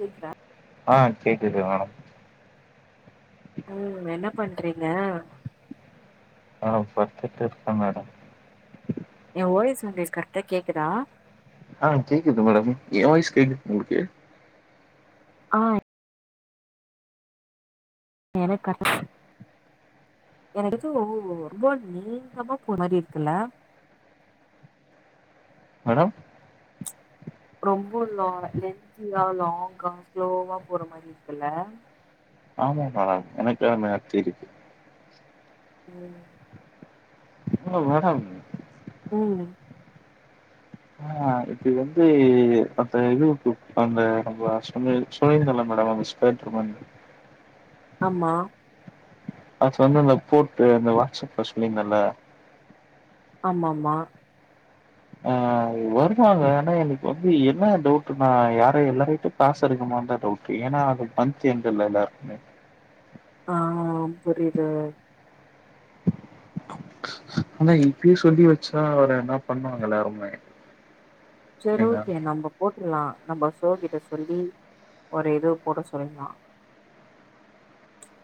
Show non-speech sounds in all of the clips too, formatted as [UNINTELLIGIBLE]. கேக்குதா ஆ கேக்குது ம் என்ன பண்றீங்க அ பத்துட்ருக்கே மேடம் ஏ ஓ எஸ் உங்களுக்கு கரெக்டா கேக்குதா ஆ கேக்குது மேடம் ஏ வாய்ஸ் கேக்குதா உங்ளுக்கு ஆ எனக்கா என்து உ உ [UNINTELLIGIBLE] நீங்கமா போ மாரி இருக்குல மேடம் ரொம்ப லா லென்த்தியா லாங்கா ஸ்லோவா போற மாரி இருக்குல்ல ஆமா மேடம் எனக்கு எல்திருக்கு ம் ஹலோ மேடம் ம் ஆ அது வந்து அந்த இது அந்த நம்ம சொன்னே சொல்லிருந்லா மேடம் [UNINTELLIGIBLE] ஆமா நா சொன்னேல போட்டுரு அந்த வாட்ஸ்அப்ல சொன்னிங்கல்ல ஆமா ஆமா ஆஹ வருவாங்க ஆனா எனக்கு வந்து என்ன டவுட்னா யார எல்லாருகிட்டேயு பாச இருக்கும டவுட் ஏன்னா அது கண் [UNINTELLIGIBLE] இல்லேல்ல ஆமா புரியுது ஆனா இப்பயே சொல்லி வச்சா அவரை என்ன பண்ணுவாங்க எல்லாருமே சேரி எங்க ஓகே நம்ம போட்டுலா நம்ம சார் கிட்ட சொல்லி ஒரு இது போட சொல்லலா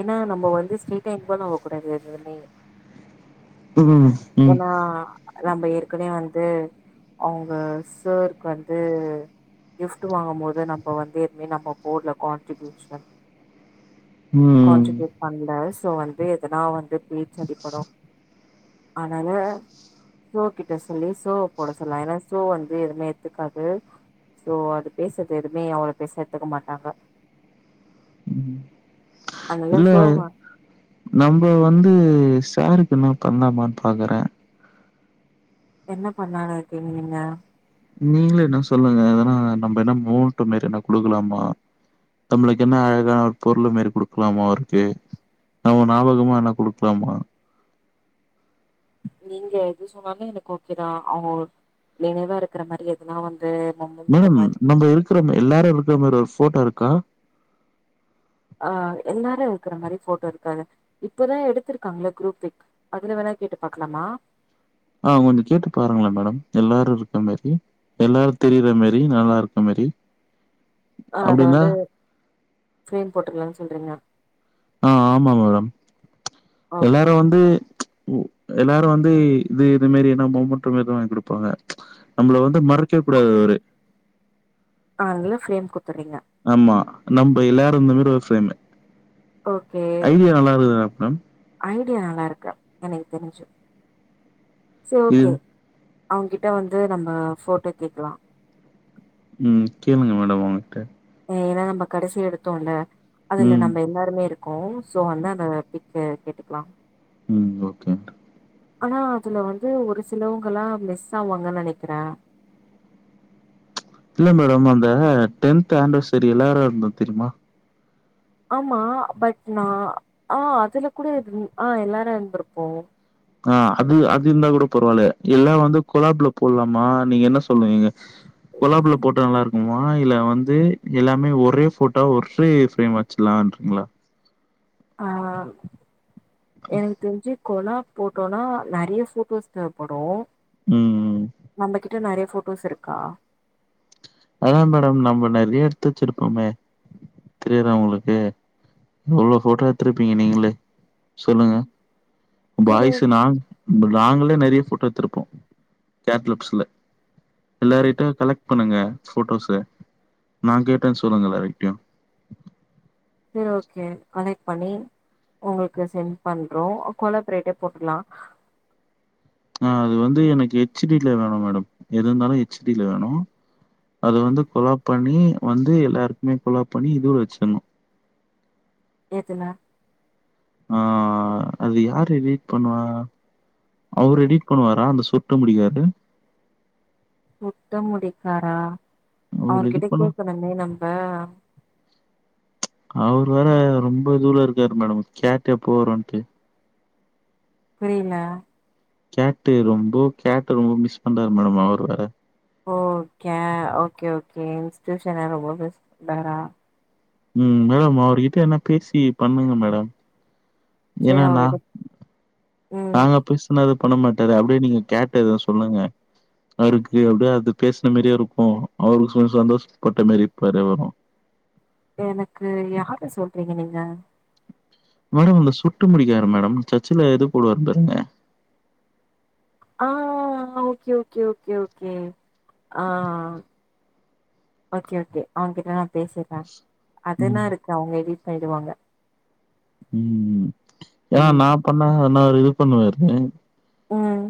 ஏன்னா நம்ம வந்து [UNINTELLIGIBLE] போ நம்ப கூடாது எதுவுமே ம், ம், ஏன்னா நம்ம ஏற்கனவே வந்து அவங்க சார்க்கு வந்து கிஃப்ட் வாங்கு போது நம்ம வந்து எதுவுமே நம போடல கான்ட்ரிபியூஷன் ம். கான்ட்ரிபியூட் பண்ணல சோ வந்து எதனா வந்து பேச்சடிப்படு அதுனால சோ கிட்ட சொல்லி சோ போட சொல்லலா ஏன்னா சோ வந்து எதுவுமே எத்துக்காது சோ அது பேசுறது எதுவுமே அவ்வளவு பெருச எடுத்துக்க மாட்டாங்க ம் அதனால இல்ல சோ நம்மப வந்து சாருக்கு என்னா பண்லாமான் பாக்குற என்ன பண்ணால இருக்கீங் நீங்க நீங்ளு என்னா சொல்லுங்க எதனா நம்ப என்ன மோள்ட்டு மேரி என்னா குடுக்லாமா தம்ப்ளுக்கு என்ன அழகான ஒரு பொருளு மேரி குடுக்லாமா அவுருக்கே நம்ம ஞாபகமா என்னா குடுக்லாமா நீங்க எது சொன்னாலு எனக்கு ஓகேதா அவுங்கோ நினைவா இருக்குற மாரி எதுனா வந் மேடம் நம்ப இருக்குற ம எல்லாரு இருக்குற மாரி ஒரு போட்டோ இருக்கா அ எல்லாரு இருக்குற மாரி போட்டோ இருக்காது இப்பதா எடுத்துருக்காங்ள குரூப் பிக் அதுல வேணா கேட்டு பாக்லாமா அ கொஞ்ச கேட்டு பாருங்ளே மேடம் எல்லாரு இருக்க மேரி எல்லாரு தெரிய்ற மேரி நல்லா இருக்க மேரி அ அத வந்து ஃப்ரேம் போட்டுற்லான் சொல்றீங்க அ ஆமா மேடம் ஓகே எல்லாரு வந்து எல்லாரு வந்து இது இது மேரி என்னா மோமன்ட்டு வாங்கி குடுப்பாங்க நம்புள வந்து மறக்கே கூடாது அவுரு அத்னால ஃப்ரேம் குத்தர்ரீங்க ஆமா நம்ப எல்லாரு இருந்த மேரி ஒரு ஃப்ரேமு ஓகே ஐடியா நல்லாருக்குது அப் நம் ஐடியா நல்லா இருக்கு எனக்கு தெரிஞ்சு சோ இது ஓகே அவுங்கிட்ட வந்து நம்ம போட்டோ கேக்லா ம் கேளுங்க மேடம் அவுங்ட்ட ஏனா நம்ப கடசியா எடுத்தோல்ல அதுல ம் நம்ப எல் லாருமே இருக்கோ சோ வந்து அந்த ஃபிக்க கேட்டுக்லா ம் ஓகேன்ட் ஆனா அதுல வந்து ஒரு சிலவுங்கல்லா மிஸ் ஆவாங்கன் நெனக்கிற இல்ல மேடம் அந்த டென்த்து ஆன்ட்வசரி எல்லாரு இருந்தோ தெரிமா ஆமா பட் நா ஆ அதுல கூட இரு அ எல்லாரு இருந்துருப்போ ஆ அது அது இர்ந்தா கூட பரவால்லே எல்லா வந்து கொலாப்ல போட்லாமா நீங்க என்ன சொல்லுவீங்க கொலாப்ல போட்டா நல்லார்க்குமா இல்ல வந்து எல்லாமே ஒரே போட்டோவா ஒர்ரே ஃப்ரேம் வச்சுக்லான்றிங்ளா அ அ எனக் தெஞ்சு கொலா போட்டோன்னா நறிய போட்டோஸ் தேவ்ப்படு ம் நம்பகிட் ட நறைய போட்டோஸ் இருக்கா அதா மேடம் நம்ப நெற்ய எட்த்து வச்சுருக்கோமே தெரியாதா உங்களுக்கு எவ்ளோ போட்டோ எத்துருப்பீங்க நீங்ளே சொல்லுங்க சரி பாய்ஸுனா நாங்குளே நறிய போட்டோ எத்துருப்போ கேட்லப்ஸுல எல்லாரிட்யு கலெக்ட் பண்ணுங்க போட்டோஸு நா கேட்டே சொல்லுங்க எல்லாருகிட்யு சேர் ஓகே கலைட் பண்ணி உங்குள்க்கு சென் பண்றோ கொலப்ரேட்டே போட்டுக்லா அ அது வந்து எனக்கு எச்டில வேணு மேடம் எது இந்தாலு எச்டில வேணு அது வந்து கொலாப்பண்ணி வந்து எல்லாருக்குமே கொலாப் பண்ணி இதுவ வெச்சின்ணு எதுல ஆ அது யாரு எடிட் பண்ணுவா அவுரு எடிட் பண்ணுவாரா அந்த சுர்ட்ட முடி காரு சுட்ட முடிக்காரா அவரு அவுரு கிட்ட எடிட் பண்ண கேக்கணும்மே நம்ப அவுர்வேர ரொம்ப தூரொ இருக்காரு மேடம் கேட்ட போறோன்ட்டு புரில கேட்டு ரொம்பொ கேட்டு ரொம்ப மிஸ் பண்றாரு மேடம் அவர் வேற ஓக்கே ஓக்கே ஓக்கே இன்ஸ்டூஷன் [UNINTELLIGIBLE] ம் மேடம் அவுர்கிட்ட என்னா பேசி பண்ணுங்க மேட என சரி நா அவர்கிட்ட ம் நாங்க பேஸ் க்குன்னு அது பண்ணமாட்டாரு அப்டே நீங்க கேர்ட்ட இது சொல்லுங்க அவருக்கு அப்டே அது பேஸ்ன மேரியேருக்கூ அவுருக் கொஞ் சந்தோஷ் பட்டெ மேரி இருப்பாரு அப்பறொ எனக்கு யார சொல்றீங்க நீங்க மேடம் அந்த சுர்ட்ட முடிக்காரு மேடம் சர்ச்சுல இது போடுவார் தாங்க ஆ ஓக்கே ஓக்கே ஓக்கே ஓக்கே ஆ ஓக்கே ஓக்கே அவங்கிட்ட நா பேசிற்ற ம் அதுஎன்னாருக்கு அவுங்க எடிட் பண்ணிடுவாங்க ம் ஏனா ம் நா பண்ணா என்ன அதுஇது பண்ணுவாரு ம்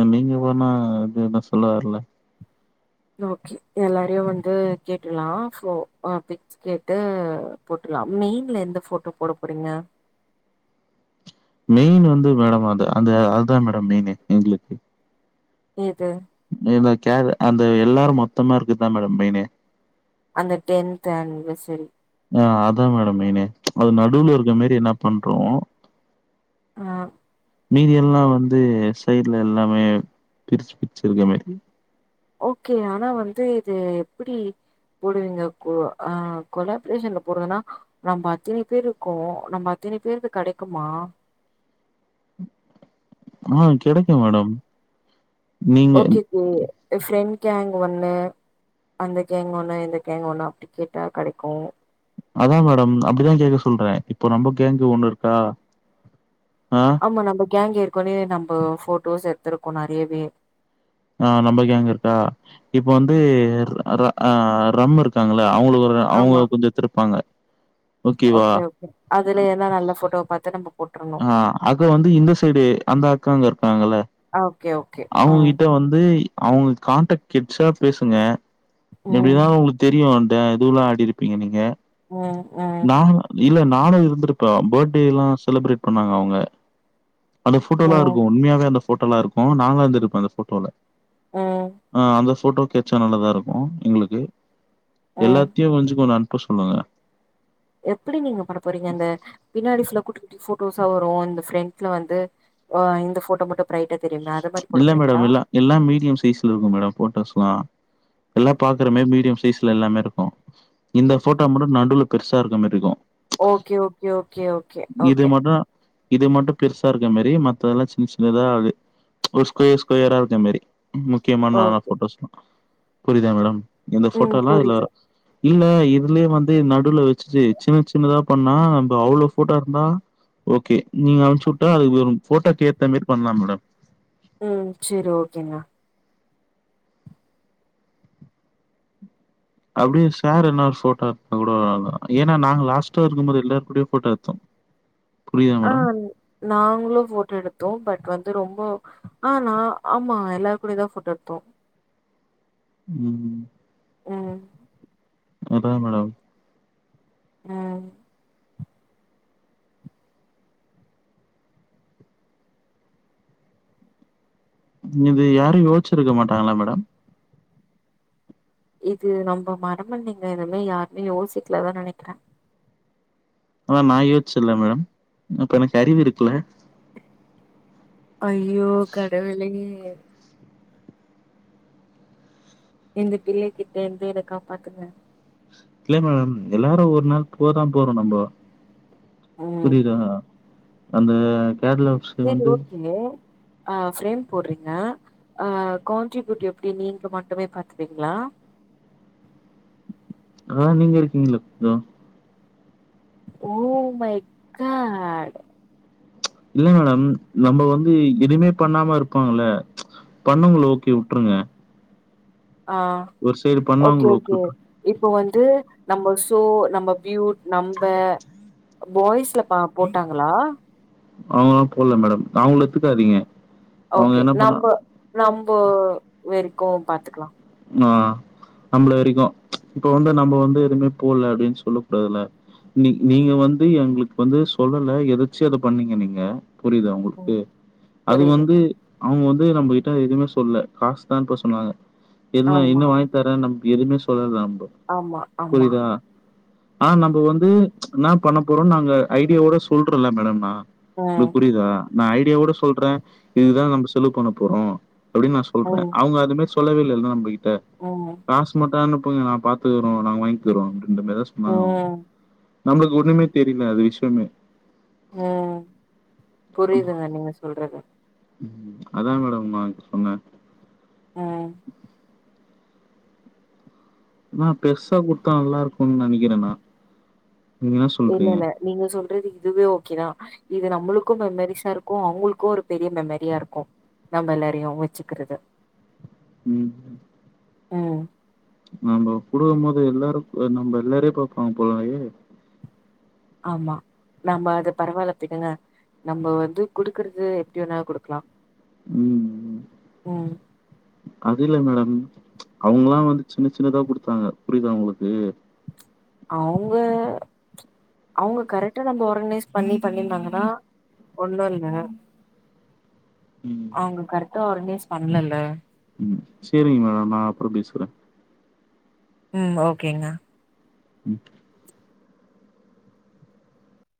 எ நீங்க போனா இது என்ன சொல்லவார்ல்ல ஓக்கே எல்லாரையு வந்து கேட்ருல்லா சோ ஆ பே கேட்டு போட்டுல்லாம் மெயின்ல எந்த போட்டோ போடபோறீங்க மெயின் வந்து மேடம் அது அந்த அதா மேட மெயினே எங்ளுக்கு எது இந்த கேர் அந்த எல்லாரு மொத்தமா இருக்குத்தா மேடொ மெயினு அந்த டென்த் அனிவெர்செரி அ அதா மேடம் மெயினே அது நடுல இருக்க மேரி என்னா பண்றோ ஆ மீதியல்லா வந்து சைட்ல எல்லாமே பிரிச்சு பிச்சிருக்கமேரி ஓக்கே ஆனா வந்து இது எப்டி புடுவிங்க கொ அ கொலாப்ரேஷன்ல போட்றதுன்னா நம்ப அத்தனி பேருக்கோ நம்ம அத்தனி பேருக்கு கெடக்குமா மேம் கெடக்கூ மேடம் நீங்க ஓக்கே போ என் ப்ரெண்ட் கேங் ஒண்ணு அந்த கேங் ஒன்னு இந்த கேங்க் ஒன்னு அப்டி கேட்டா கடைக்கூ அதா மேடம் அப்டிதா கேக்க சொல்றெ இப்போ நம்ப கேங்கு ஒண்ணுர்க்கா ஆம்மா நம்ம கேங் ஏற்க்கோனே நம்ப ஃபோட்டோஸ் எட்த்திருக்கோ நறியவே ஆ நம்ப கேங்குட்டா இப்ப வந்து அ ர ரம் இருக்காங்கள்ள அவுங்குளு ஒரு அவுங்க கொஞ்சொ எத்துருப்பாங்க ஓக்கே ஓக்கே அதுல எதா நல்ல ஃபோட்டோ பாத்து நம்ம போட்ரணு அ அது வந்து இந்த செய்டு அந்த அக்காங்க இர்க்காங்கல்ல ஆ ஒக்கே ஓ அவுங்கிட்ட வந்து அவுங்க கான்டெக்ட் கெட்ச்சா பேசுங்க ம் எப்டினா அவுங்குளுக் தெரியு அந்த இதுவ்ல்லா ஆடிருப்பீங்க நீங்க ம் ம் நா இல்ல நானு இருந்துருப்ப பர்டேல்லா செலிப்ரேட் பண்ணாங்க அவுங்க அந்த ம் போட்டோல்லாருக்கு உண்மையாவே அந்த போட்டோல்லா இருக்கூ நாங்க இர்ந்துருப்போ அந்த ஃபோட்டோல ம் அ அந்த ஃபோட்டோ கெட்ச்சா நல்லதாருக்கு எங்க்ளுக்கு எல்லா ம் கே ஒஞ்சுக்கோன் அன்ப்ப சொல்லுங்க எப்டி நீங்க பண்ண போறீங்க அந்த பின்னாடி சில குட்டி குட்டி போட்டோஸா வரு இந்த ஃப்ரெண்ட்ல வந்து ஆஹ இந்த போட்டோ மட்டும் பிரைட்டா தெரியு அத இல்ல மேடம் இல்ல எல்லா மீடியம் சைஸ்ல இருக்கும் மேடம் போட்டோஸ்ல்லா எல்லாம் பாக்குற மேறி மீடியம் சைஸ்ல எல்லாமே இருக்கும் இந்த போட்டோ மட்டும் நடுவுல பெருசா இருக்க மேறி இருக்கும் ஓகே ஓகே ஓகே ஓகே இது ஓகே மட்டும் இது மட்டும் பெருசா இருக்க மேரி மத்ததெல்லா சின்ன சின்னதா அது ஒரு ஸ்கொயர் ஸ்கொயரா இருக்கு மேறி முக்கியமான நா ஓகே போட்டோஸ்லா புரிதா மேடம் இந்த ம் போட்டோல்லா இதுல வர புரியுது இல்ல இதுலயே வந்து நடுவுல வச்சுட்டு சின்ன சின்னதா பண்ணா நம்ம அவ்ளோ போட்டா இருந்தா ஓகே நீங்க அனுப்புச்சு விட்டா அது போட்டோக்கு ஏத்த மேறி பண்லா மேடம் ம் சேரி ஒக்கேங்க அப்டியே சார் என்ன போட்டோ எடுத்த கூட ‌என்ன ஏன்னா நாங்க லாஸ்ட்டா இருக்கும்போது எல்லாரு கூடயு போட்டோ எடுத்தோ புரியுதா மேடம் ஆஹ் நாங்களு போட்டோ எடுத்தோ பட் வந்து ரொம்ப ஆஹ் நா ஆமா எல்லாரு கூடயு தா போட்டோ எடுத்தோ ம் ம் ம் அதா மேடம் ம் இது யாரு யோசிச்சிருக்க மாட்டாங்களா மேடம் இது நம்ம மரமண்டங்க இதுலா யாருமே யோசிக்கலதா நெனைக்கற அதா நா யோசிச்சேன்ல மேடம் அப்ப எனக்கு அறிவு இருக்குல அய்யோ கடவுளே இந்த பிள்ளை கிட்ட இருந்து என்ன காப்பாத்துங்க இல்ல மேடம் எல்லாரும் ஒரு நாள் போதா போறோ நம்ப ம் புரிதா அந்த கேரளா சேரி ஓகேங்க ஆ ஃப்ரேம் போடுறீங்க அ கண்ட்ரிபியூட் எப்டி நீங்க மட்டுமே பாத்துபீங்களா ஆஹ் அதா நீங்க இருக்கீங்களே [UNINTELLIGIBLE] ஓ மை காட் இல்லங்க மேடம் நம்ம வந்து இனிமே பண்ணாம இருப்பாங்கல்ல பண்ண முடில ஓகே வுட்ருங்க ஆ ஓகே பண்ணவங்கள ஓகே விட்ரு இப்போ வந்து நம்ம சோ நம்ம பியூட் நம்ப பாய்ஸ்ல பா போட்டாங்களா அவங்கல்லா போடுல்ல மேடம் அவங்கள எத்துக்காதீங்க அவங்க ஓகே என்ன பண்ணா நம்ப வெரைக்கும் பாத்துக்கலா ஆஹ் நம்மள வரைக்கும் இப்ப வந்து நம்ம வந்து எதுமே போடுல்ல அப்டின்னு சொல்ல கூடாதுல நீ நீங்க வந்து எங்களுக்கு வந்து சொல்லல எதாச்சியா அத பண்ணீங்க நீங்க புரிதா உங்களுக்கு ம் அது புரியுது வந்து அவுங்க வந்து நம்மகிட்ட எதுமே சொல்ல காசு தா அனுப்ப சொன்னாங்க என்ன ஆமா என்ன வாங்கி தர நமக்கு எதுவுமே சொல்லல அவுங்க ஆமா ஆமா ஆ நம்ம வந்து என்னா பண்ண போறோம்னு நாங்க ஐடியாவோட சொல்றல மேடம் நா ம் உங்களுக்கு புரிதா நா ஐடியாவோட சொல்ற இதுதா நம்ம செலவு பண்ண போறோ அப்டின் நா சொல்றே ம் அவுங்க அதுமாரி சொல்லவேல்ல நம் பகிட்ட ம் காசு மட்டு அனுப்பங்க நா பாத்துக்கறோ நாங் வாய்ங்கிறோ அப்டின்றமாரிதா சொன்னாங்க அவுங்க ம் நம்மளுக்கு ஒண்ணுமே தெரில அது விஷ்யமே ம் புரிதுங்க நீங்க சொல்றது ம் அதா மேடம் நா இப்ப சொன்ன அ நா பெருசா குட்த்தா நல்லா இருக்குன்னு நெனிக்கிறே நா நீங்க என்ன சொல்றீங்க இல்லல நீங்க சொல்றது இதுவே ஓகே தா இது நம்மளுக்கு மெமரிஸா இருக்கு அவுங்களுக்கு ஒரு பெரிய மெமரியா இருக்கு நம்ப எல்லாரியு வெச்சுக்கிறது ம் ம் நம்ம குடுக்கும் போது எல்லாரு நம்ப எல்லாரி பப்பாங் போலயே ஆமா நம்ப அது பரவால்ல விடுங்க நம்ம வந்து குடுக்கறது எப்டி வேணா குடுக்கலா ம் ம் ம் அது இல்லங் மேடம் அவுங்கலா வந்து சின்ன சின்னதா குடுத்தாங்க புரியிதா உங்களுக்கு அவுங்க அவுங்க கரெக்டா நம்ப ஆர்கனைஸ் பண்ணி பண்ணிந்தாங்கனா ஒண்ணு இல்ல ம். அவுங்க கரெக்டா ஆர்கனைஸ் பண்லல ம் செரிங்க மேடம் நா அப்பற பேசுறே ம் ஓகேங்க ம்